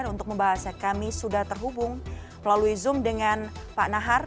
untuk membahasnya kami sudah terhubung melalui zoom dengan pak nahar